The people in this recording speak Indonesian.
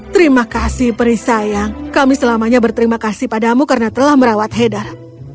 terima kasih peri sayang kami selamanya berterima kasih padamu karena telah merawat heather